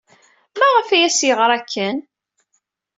Maɣef ay as-yeɣra akken?